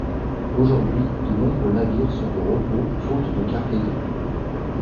Aujourd'hui, de nombreux navires sont au repos faute de cargaisons.